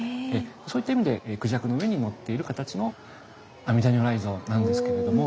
そういった意味でクジャクの上に乗っているかたちの阿弥陀如来像なんですけれども。